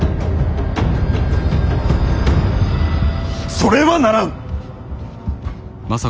それはならん！